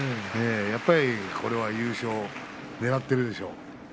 やっぱりこれは優勝をねらっているでしょう。